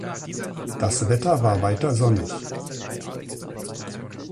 Das Wetter war weiter sonnig.